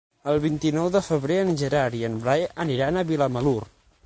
El vint-i-nou de febrer en Gerard i en Blai aniran a Vilamalur.